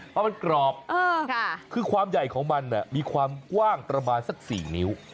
เพราะมันกรอบคือความใหญ่ของมันมีความกว้างประมาณสัก๔นิ้ว